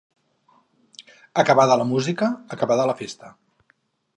Acabada la música, acabada la festa.